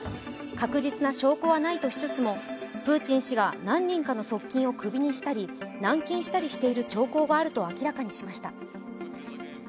確実な証拠はないとしつつもプーチン氏が何人かの側近をクビにしたり、軟禁したりしている兆候があると明らかにました。